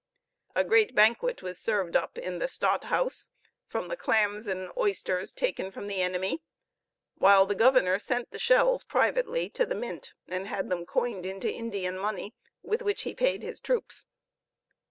A great banquet was served up in the Stadthouse from the clams and oysters taken from the enemy, while the governor sent the shells privately to the mint, and had them coined into Indian money, with which he paid his troops.